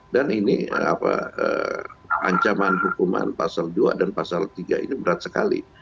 ini ancaman hukuman pasal dua dan pasal tiga ini berat sekali